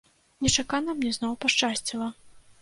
Нечакана мне зноў пашчасціла.